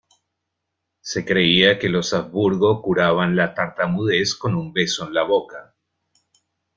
Se creía que los Habsburgo curaban la tartamudez con un beso en la boca.